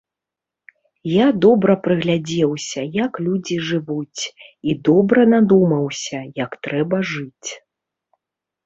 Я добра прыглядзеўся, як людзі жывуць, і добра надумаўся, як трэба жыць.